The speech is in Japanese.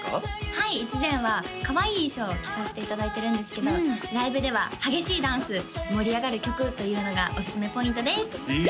はいいちぜん！はかわいい衣装を着さしていただいてるんですけどライブでは激しいダンス盛り上がる曲というのがおすすめポイントですえ